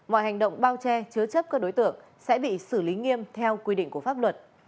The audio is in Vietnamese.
mọi hành động bao che chứa chấp các đối tượng sẽ bị xử lý nghiêm theo quy định của pháp luật